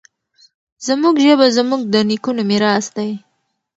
زموږ ژبه زموږ د نیکونو میراث دی.